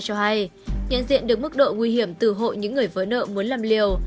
nhận diện được mức độ nguy hiểm từ hội những người với nợ muốn làm liều